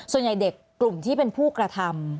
ส่วนใหญ่เด็กกลุ่มที่เป็นผู้กระทำ